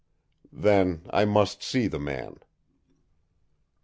"Then I must see the man."